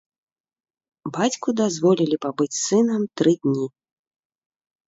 Бацьку дазволілі пабыць з сынам тры дні.